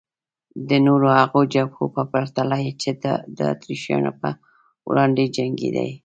د نورو هغو جبهو په پرتله چې د اتریشیانو په وړاندې جنګېدې.